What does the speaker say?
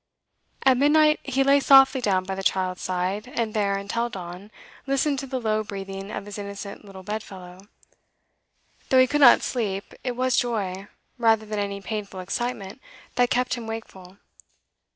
At midnight he lay softly down by the child's side, and there, until dawn, listened to the low breathing of his innocent little bedfellow. Though he could not sleep, it was joy, rather than any painful excitement, that kept him wakeful.